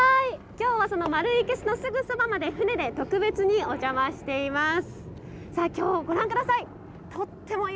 きょうは、その丸いいけすの、すぐそばまで船で特別にお邪魔しています。